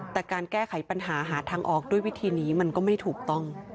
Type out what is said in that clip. แต่การแก้ไขปัญหาหาทางออกด้วยวิธีนี้มันก็ไม่ถูกต้อง